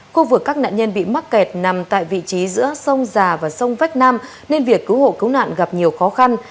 khu vực các nạn nhân bị mắc kẹt nằm tại vị trí giữa sông già và sông vách nam nên việc cứu hộ cứu nạn gặp nhiều khó khăn